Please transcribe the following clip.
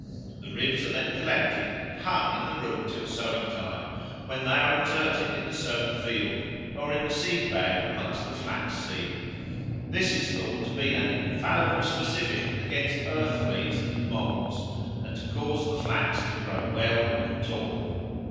The ribs are then collected and hung in the room till sowing time, when they are inserted in the sown field or in the seed bag amongst the flax seed. This is thought to be an infallible specific against earth fleas and moles, and to cause the flax to grow well and tall.